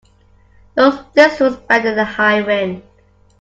Those thistles bend in a high wind.